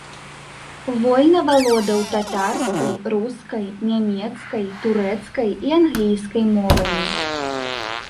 Вольна валодаў татарскай, рускай, нямецкай, турэцкай і англійскай мовамі.